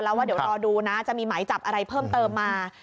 แล้วว่าเดี๋ยวรอดูนะจะมีหมายจับอะไรเพิ่มเติมมา